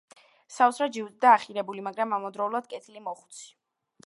საოცრად ჯიუტი და ახირებული, მაგრამ ამავდროულად კეთილი მოხუცი.